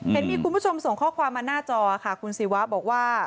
เห็นมีคุณผู้ชมส่งข้อความมาหน้าจอค่ะคุณศิวะบอกว่า